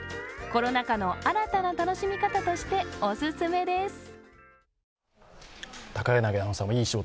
コロナ禍の新たな楽しみ方としてオススメです。